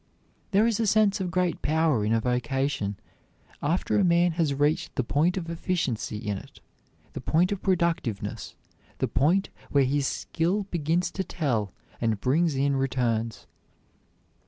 There is a sense of great power in a vocation after a man has reached the point of efficiency in it, the point of productiveness, the point where his skill begins to tell and brings in returns.